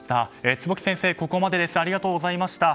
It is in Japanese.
坪木先生、ここまでありがとうございました。